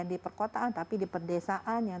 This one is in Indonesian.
di perkotaan tapi di perdesaan yang